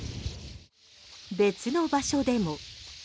別の場所でも。